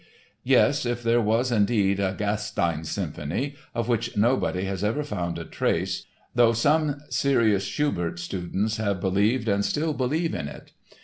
Yes, if there was indeed a Gastein Symphony, of which nobody has ever found a trace though some serious Schubert students have believed and still believe in it.